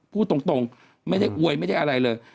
พูดตรงไม่ได้อวยไม่ได้อะไรเลย